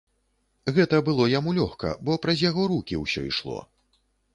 Гэта было яму лёгка, бо праз яго рукі ўсё ішло.